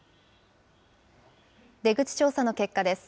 出口調査の結果です。